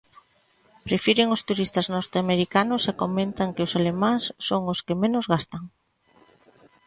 Prefiren os turistas norteamericanos e comentan que os alemáns son os que menos gastan.